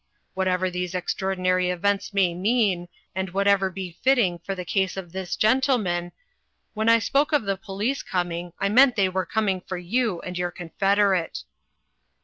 Whatever these extraordinary events may mean and whatever be fitting in the case of this gentleman, when I spoke of the police coming, I meant they were coming for you and your confederate."